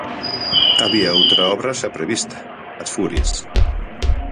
Había outra obra xa prevista, As furias.